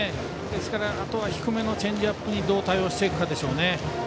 ですから、あとは低めのチェンジアップにどう対応していくかでしょう。